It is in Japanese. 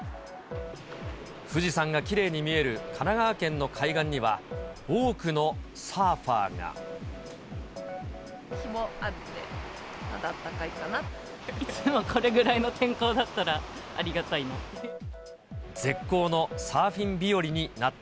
富士山がきれいに見える神奈川県の海岸には、日もあるので、まだあったかいつもこれぐらいの天候だったらありがたいなって。